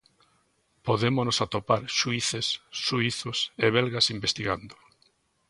Podémonos atopar xuíces suízos e belgas investigando.